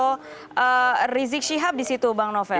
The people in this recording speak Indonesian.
pidato rizik syihab disitu bang novel